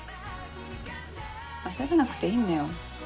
焦らなくていいんだよ。